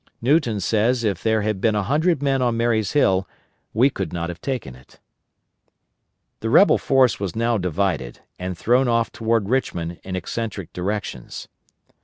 Newton says if there had been a hundred men on Marye's Hill we could not have taken it. The rebel force was now divided, and thrown off toward Richmond in eccentric directions.